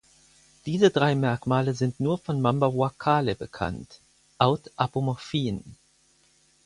Diese drei Merkmale sind nur von "Mambawakale" bekannt (Autapomorphien).